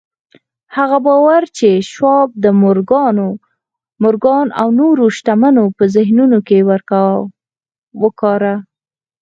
هغه باور چې شواب د مورګان او نورو شتمنو په ذهنونو کې وکاره.